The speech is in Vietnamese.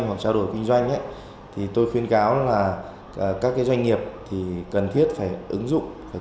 hoặc trao đổi kinh doanh thì tôi khuyên cáo là các doanh nghiệp cần thiết phải ứng dụng